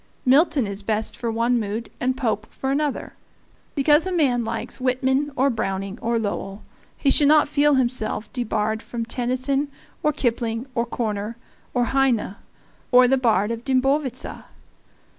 Milton is best for one mood and Pope for another. Because a man likes Whitman or Browning or Lowell he should not feel himself debarred from Tennyson or Kipling or Korner or Heine or the Bard of the Dimbovitza.